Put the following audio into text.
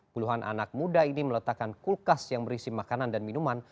puluhan anak muda ini meletakkan kulkas yang berisi makanan dan minuman